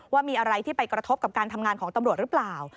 ว่ามีอะไรที่ไปกระทบกับการทำงานของตำรวจหรือเปล่า